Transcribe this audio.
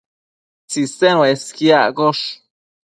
Tsisen uesquiaccosh